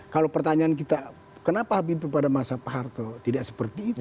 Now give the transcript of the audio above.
kalau pertanyaan kita kenapa habibie pada masa pak harto tidak seperti itu